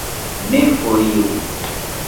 Ne foriru.